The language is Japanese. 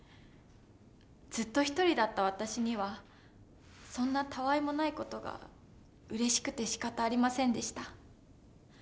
ずっと１人だった私にはそんなたわいもない事がうれしくてしかたありませんでした。